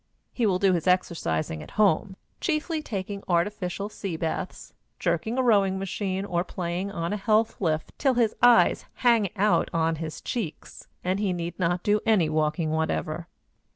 He will do his exercising at home, chiefly taking artificial sea baths, jerking a rowing machine or playing on a health lift till his eyes hang out on his cheeks, and he need not do any walking whatever.